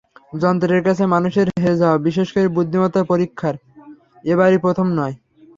যন্ত্রের কাছে মানুষের হেরে যাওয়া, বিশেষ করে বুদ্ধিমত্তার পরীক্ষায়, এবারই প্রথম নয়।